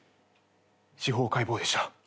司法解剖でした。